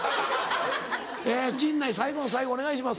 陣内最後の最後お願いします。